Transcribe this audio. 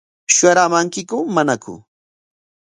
¿Shuyaraamankiku manaku?